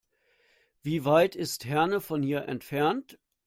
Wie weit ist Herne von hier entfernt?